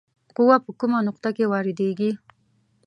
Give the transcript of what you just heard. قوه په کومه نقطه کې واردیږي؟